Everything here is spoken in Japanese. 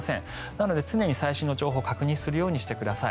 なので常に最新の情報を確認するようにしてください。